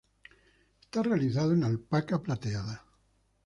Está realizado en alpaca plateada.